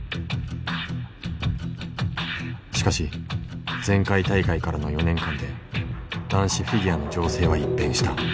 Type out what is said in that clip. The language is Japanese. しかし前回大会からの４年間で男子フィギュアの情勢は一変した。